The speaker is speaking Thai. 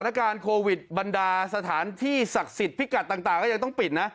อาการโควิดบรรดาสถานที่ศักดิ์สิทธิ์พิกัดต่างก็ยังต้องปิดนะ